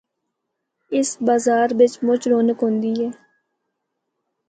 اس بازار بچ مُچ رونق ہوندی ہے۔